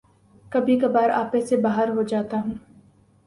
کبھی کبھار آپے سے باہر ہو جاتا ہوں